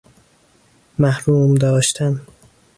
محروم داشتن